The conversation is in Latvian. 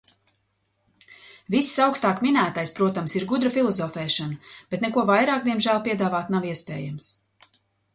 Viss augstāk minētais, protams, ir gudra filozofēšana, bet neko vairāk, diemžēl piedāvāt nav iespējams.